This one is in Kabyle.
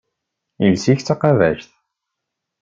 Iles-ik d taqabact.